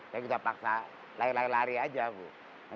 tapi kita paksa lari lari aja